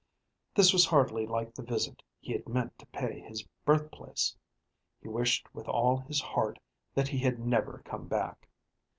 This was hardly like the visit he had meant to pay to his birthplace. He wished with all his heart that he had never come back.